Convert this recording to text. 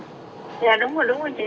dạ đúng rồi đúng rồi chị